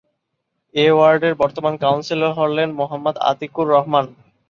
এ ওয়ার্ডের বর্তমান কাউন্সিলর হলেন মো: আতিকুর রহমান।